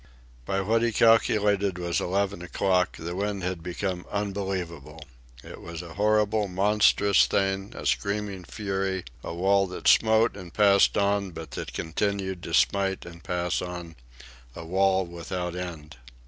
By what he calculated was eleven o'clock, the wind had become unbelievable. It was a horrible, monstrous thing, a screaming fury, a wall that smote and passed on but that continued to smite and pass on a wall without end.